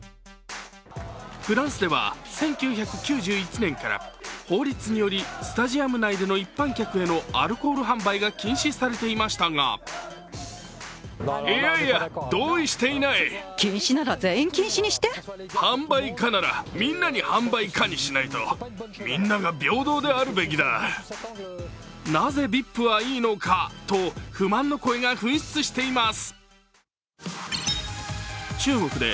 フランスでは１９９１年から法律によりスタジアム内での一般客へのアルコール販売が禁止されていましたがなぜＶＩＰはいいのかと不満の声が噴出しています。